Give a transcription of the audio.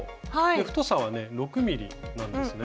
太さはね６．０ｍｍなんですね。